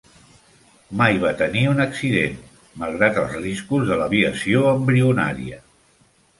Mai va tenir un accident, malgrat els riscos de l'aviació embrionària.